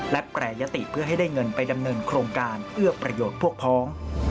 และแปรยติเพื่อให้ได้เงินไปดำเนินโครงการเอื้อประโยชน์พวกพ้อง